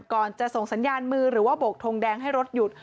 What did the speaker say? ก่อนจะส่งสัญญาณมือหรือว่าโบกทงแดงให้รถหยุด